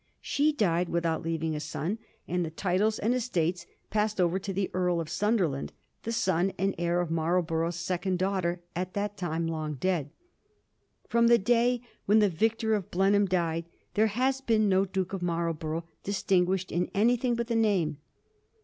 She died without leaving a son, and the titles and estates passed over to the Earl of Sunderland, the son and heir of Marlborough's second daughter, at that time long dead. From the day when the victor of Blenheim died, there has been no Duke of Marl borough distinguished in anything but the name.